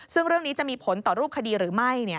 ซึ่งเรื่องนี้จะมีผลต่อรูปคดีหรือไม่